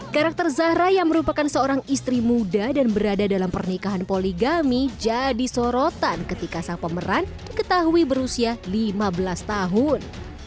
karakter zahra yang merupakan seorang istri muda dan berada dalam pernikahan poligami jadi sorotan ketika sang pemeran ketahui berusia lima belas tahun